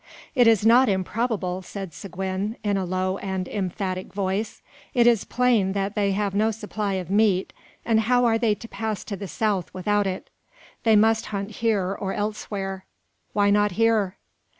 "It is not improbable," said Seguin, in a low and emphatic voice. "It is plain they have no supply of meat, and how are they to pass to the south without it? They must hunt here or elsewhere. Why not here?"